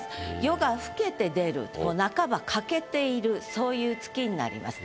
夜が更けて出るとなかば欠けているそういう月になります。